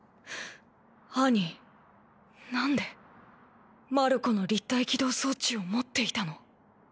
アニ何でマルコの立体機動装置を持っていたの？